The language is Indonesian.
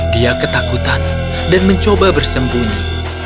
dia ketakutan dan mencoba bersembunyi